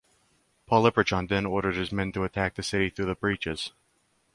Polyperchon then ordered his men to attack the city through the breaches.